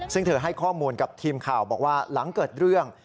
ซึ่งเธอให้ข้อมูลกับทีมข่าวบอกว่าหลังเกิดเรื่อง